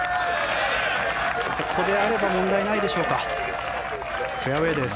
ここであれば問題ないでしょうかフェアウェーです。